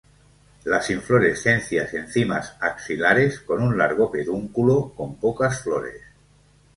Las inflorescencias en cimas axilares, con un largo pedúnculo, con pocas flores.